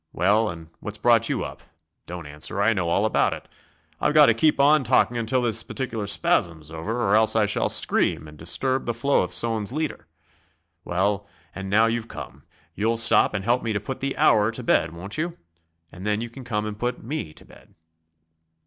Well, and what's brought you up don't answer, I know all about it. I've got to keep on talking until this particular spasm's over, or else I shall scream and disturb the flow of Soane's leader. Well, and now you've come, you'll stop and help me to put the Hour to bed, won't you? And then you can come and put me to bed."